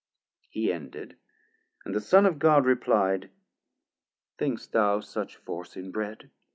He ended, and the Son of God reply'd. Think'st thou such force in Bread?